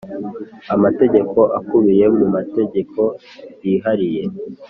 amategeko akubiye mu mategeko yihariye